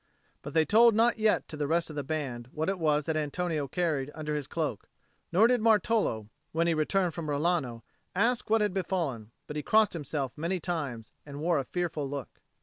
But they told not yet to the rest of the band what it was that Antonio carried under his cloak; nor did Martolo, when he returned from Rilano, ask what had befallen, but he crossed himself many times and wore a fearful look.